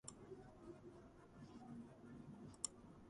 სტუდენტობიდანვე ეწეოდა სამეცნიერო მუშაობას ნიკო მარის ხელმძღვანელობით.